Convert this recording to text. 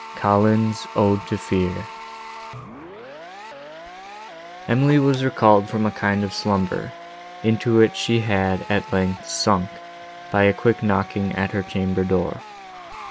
COLLINS' ODE TO FEAR Emily was recalled from a kind of slumber, into which she had, at length, sunk, by a quick knocking at her chamber door.